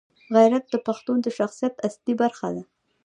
غیرت د پښتون د شخصیت اصلي برخه ده.